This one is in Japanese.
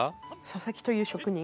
佐々木という職人？